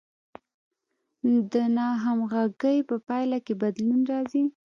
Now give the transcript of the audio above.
د ناهمغږۍ په پایله کې بدلون راځي.